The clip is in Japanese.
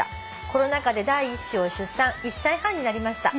「コロナ禍で第１子を出産１歳半になりました」